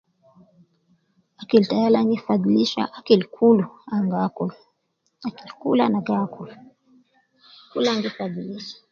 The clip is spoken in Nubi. Akili tayi Al ana gi fadhilisa akil kulu angaakul akili kulu ana gi akulu kulu ana gi fadhilisa